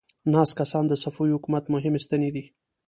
ناست کسان د صفوي حکومت مهمې ستنې دي.